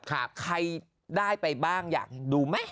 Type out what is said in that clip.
ใครได้ไปบ้างอยากดูไหม